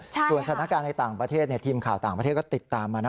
ส่วนสถานการณ์ในต่างประเทศทีมข่าวต่างประเทศก็ติดตามมานะ